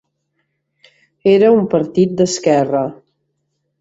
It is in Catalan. Era un partit d'esquerra.